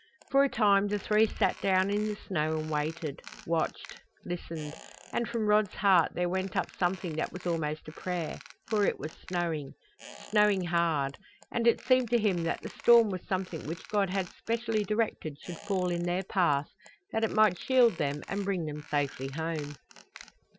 For a time the three sat down in the snow and waited, watched, listened; and from Rod's heart there went up something that was almost a prayer, for it was snowing snowing hard, and it seemed to him that the storm was something which God had specially directed should fall in their path that it might shield them and bring them safely home.